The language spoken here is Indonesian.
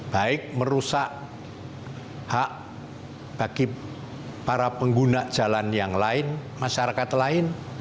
baik merusak hak bagi para pengguna jalan yang lain masyarakat lain